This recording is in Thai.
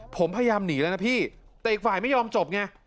ผมพยายามหนีแล้วนะพี่แต่อีกฝ่ายไม่ยอมจบไง